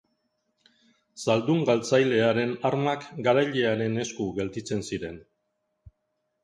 Zaldun galtzailearen armak garailearen esku gelditzen ziren.